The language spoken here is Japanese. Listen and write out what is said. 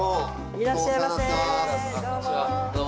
いらっしゃいませどうも。